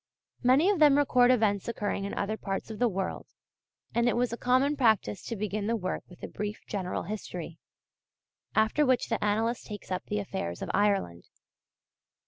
Many of them record events occurring in other parts of the world; and it was a common practice to begin the work with a brief general history, after which the annalist takes up the affairs of Ireland.